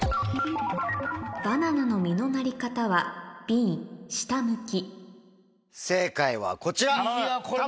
バナナの実のなり方はＢ下向き正解はこちら。